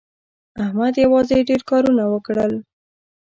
احمد یوازې ډېر کارونه وکړل.